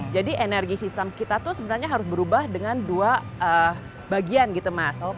jadi energi sistem kita tuh sebenarnya harus berubah dengan dua bagian gitu mas